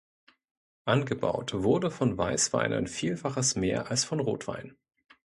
Angebaut wurde von Weisswein ein Vielfaches mehr als von Rotwein.